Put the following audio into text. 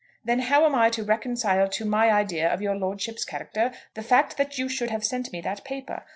Then how am I to reconcile to my idea of your lordship's character the fact that you should have sent me that paper?